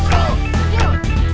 kau harus hafal penuh ya